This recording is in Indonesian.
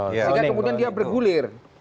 sehingga kemudian dia bergulir